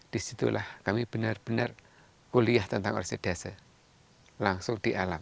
di situlah kami benar benar kuliah tentang persedase langsung di alam